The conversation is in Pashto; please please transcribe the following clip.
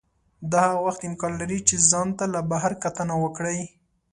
دا هغه وخت امکان لري چې ځان ته له بهر کتنه وکړئ.